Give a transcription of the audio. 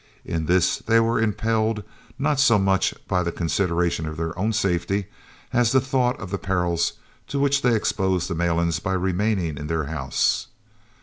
In this they were impelled, not so much by the consideration of their own safety, as the thought of the perils to which they exposed the Malans by remaining in their house.